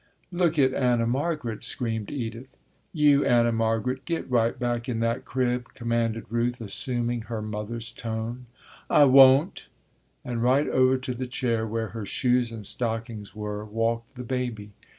"Look at Anna Margaret!" screamed Edith. "You, Anna Margaret, get right back in that crib!" commanded Ruth assuming her mother's tone. "I won't!" And right over to the chair where her shoes and stockings were, walked the baby.